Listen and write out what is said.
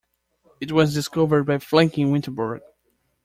It was discovered by Franklin Whittenburg.